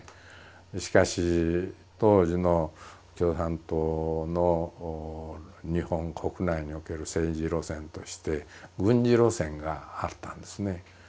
しかし当時の共産党の日本国内における政治路線として軍事路線があったんですね。